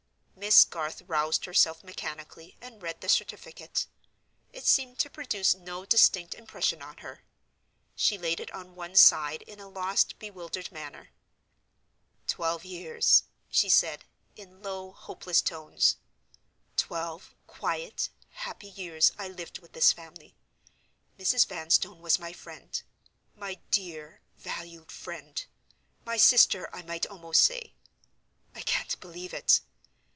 Miss Garth roused herself mechanically, and read the certificate. It seemed to produce no distinct impression on her: she laid it on one side in a lost, bewildered manner. "Twelve years," she said, in low, hopeless tones—"twelve quiet, happy years I lived with this family. Mrs. Vanstone was my friend; my dear, valued friend—my sister, I might almost say. I can't believe it.